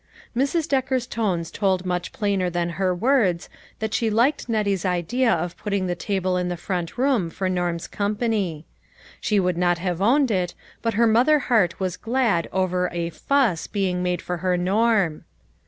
Mrs. Decker's tones told much plainer than her words, that she liked Nettie's idea of put ting the table in the front room for Norm's com pany. She would not have owned it, but her mother heart was glad over a "fuss" being made for her Norm.